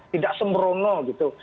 tidak sembrono gitu